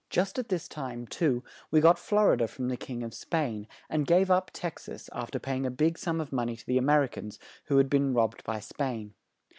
Just at this time, too, we got Flor i da from the King of Spain, and gave up Tex as, af ter pay ing a big sum of mon ey to the A mer i cans, who had been robbed by Spain.